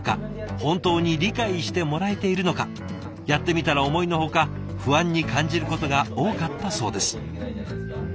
本当に理解してもらえているのかやってみたら思いのほか不安に感じることが多かったそうです。